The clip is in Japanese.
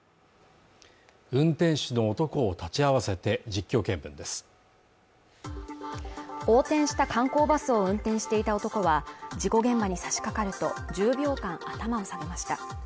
運転手の男を立ち会わせて実況見分です横転した観光バスを運転していた男は事故現場にさしかかると１０秒間頭を下げました